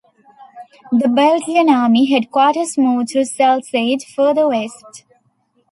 The Belgian army headquarters moved to Zelzate further west.